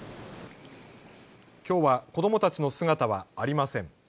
きょうは子どもたちの姿はありません。